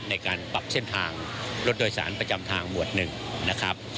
ในการปรับเส้นทางรถโดยสารประจำทางหมวด๑นะครับ